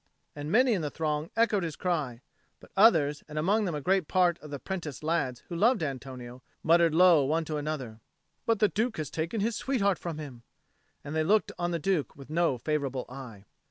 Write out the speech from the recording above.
And many in the throng echoed his cry; but others, and among them a great part of the apprenticed lads who loved Antonio, muttered low one to another, "But the Duke has taken his sweetheart from him," and they looked on the Duke with no favourable eye.